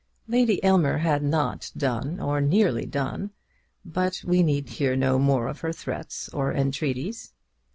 Lady Aylmer had not done, or nearly done; but we need hear no more of her threats or entreaties.